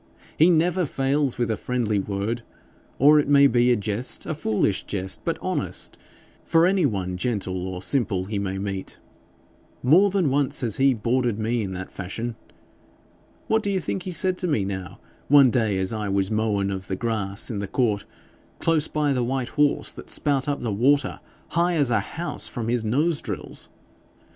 He never fails with a friendly word, or it may be a jest a foolish jest but honest, for any one gentle or simple he may meet. More than once has he boarded me in that fashion. What do you think he said to me, now, one day as I was a mowin' of the grass in the court, close by the white horse that spout up the water high as a house from his nose drills?